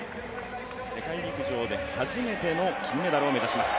世界陸上で初めての金メダルを目指します。